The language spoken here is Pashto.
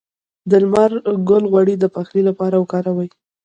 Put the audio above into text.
د لمر ګل غوړي د پخلي لپاره وکاروئ